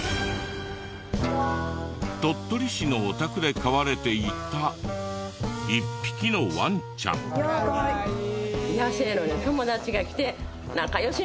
鳥取市のお宅で飼われていた１匹のワンちゃん。いやかわいい。